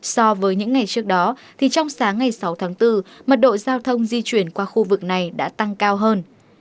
so với những ngày trước đó thì trong sáng ngày sáu tháng bốn mật độ giao thông di chuyển qua khu vực này đã tăng cao hơn